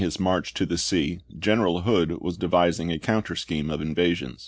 i the sea General Hood was devising a coun ter scheme of invasion.